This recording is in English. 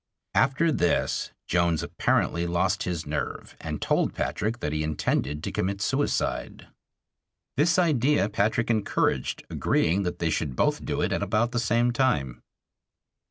After this Jones apparently lost his nerve and told Patrick that he intended to commit suicide. This idea Patrick encouraged, agreeing that they should both do it at about the same time.